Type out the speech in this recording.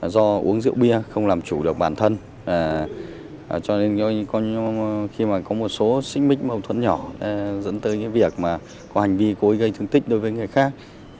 do uống rượu bia không làm chủ được bản thân cho nên khi có một số xích mích mâu thuẫn nhỏ dẫn tới việc có hành vi cối gây thương tích đối với người khác